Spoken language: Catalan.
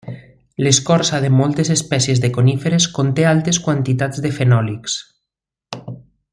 L'escorça de moltes espècies de coníferes conté altes quantitats de fenòlics.